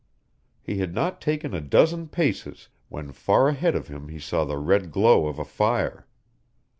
He had not taken a dozen paces, when far ahead of him he saw the red glow of a fire.